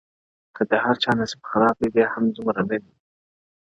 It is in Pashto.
كه د هر چا نصيب خراب وي بيا هم دومره نه دی”